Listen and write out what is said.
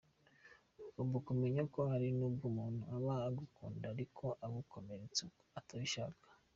Ugomba kumenya ko hari n’ubwo umuntu aba agukunda ariko akagukomeretsa atabishaka.